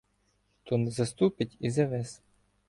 То не заступить і Зевес.